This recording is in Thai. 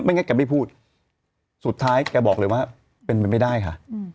งั้นแกไม่พูดสุดท้ายแกบอกเลยว่าเป็นไปไม่ได้ค่ะ